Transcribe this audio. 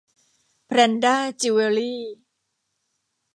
แพรนด้า จิวเวลรี่